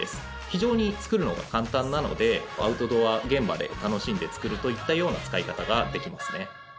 非常に作るのが簡単なのでアウトドア現場で楽しんで作るといったような使い方ができますね。